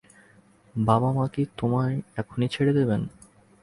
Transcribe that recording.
বাবা মা কি তোমায় এখুনি ছেড়ে দেবেন?